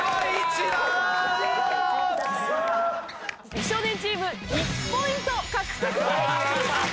美少年チーム１ポイント獲得です。